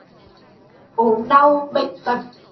Ốm đau, bệnh tật